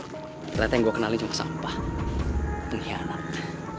ternyata yang gue kenalin untuk sampah pengkhianat